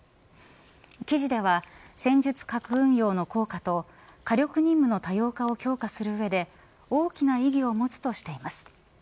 記事では戦術核運用の効果と火力任務の多様化を強化する上で大きな意義を持つとしています。